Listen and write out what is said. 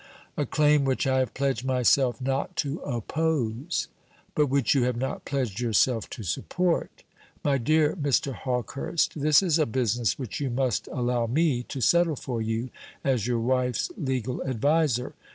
"A claim which I have pledged myself not to oppose." "But which you have not pledged yourself to support. My dear Mr. Hawkehurst, this is a business which you must allow me to settle for you, as your wife's legal adviser.